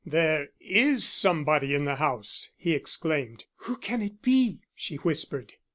"There is somebody in the house," he exclaimed. "Who can it be?" she whispered.